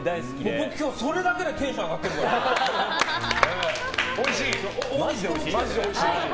僕、今日はそれだけでテンション上がってるんですよ。